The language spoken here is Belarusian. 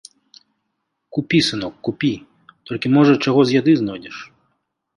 Купі, сынок, купі, толькі, можа, чаго з яды знойдзеш.